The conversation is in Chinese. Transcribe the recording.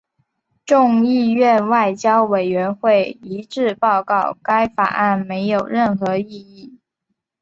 众议院外交委员会一致报告该法案没有任何意义。